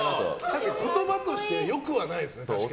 確かに言葉としてよくないですね。